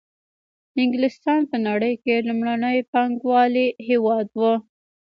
انګلستان په نړۍ کې لومړنی پانګوالي هېواد وو